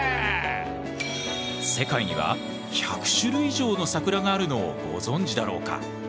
世界には１００種類以上の桜があるのをご存じだろうか。